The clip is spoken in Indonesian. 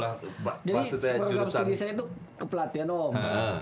program studi saya itu kepelatihan om